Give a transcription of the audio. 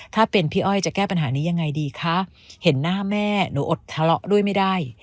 ถ้าเป็นพี่อ้อยจะแก้ปัญหานี้ยังไงดีคะเห็นหน้าแม่หนูอดทะเลาะด้วยไม่ได้